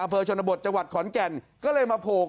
อำเภอชนบทจังหวัดขอนแก่นก็เลยมาโผล่